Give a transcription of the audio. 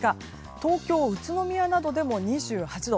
東京、宇都宮などでも２８度。